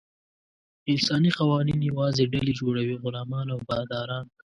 انساني قوانین یوازې ډلې جوړوي: غلامان او باداران.